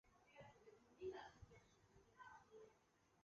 他积极参与封建混战。